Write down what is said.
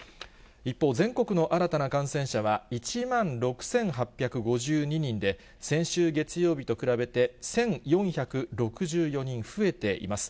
一方、全国の新たな感染者は１万６８５２人で、先週月曜日と比べて、１４６４人増えています。